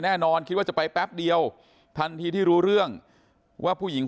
แน่นอนคิดว่าจะไปแป๊บเดียวทันทีที่รู้เรื่องว่าผู้หญิง